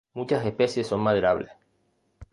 Muchas especies son maderables.